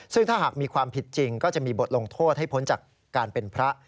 ซึ่งถ้าหากมีความผิดจริงก็จะมีบทลงโทษให้พ้นจากการเป็นพระ